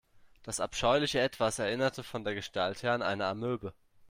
Das abscheuliche Etwas erinnerte von der Gestalt her an eine Amöbe.